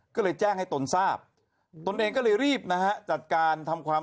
ก็เลยแจ้งให้ตนทราบตนเองก็เลยรีบนะฮะจัดการทำความ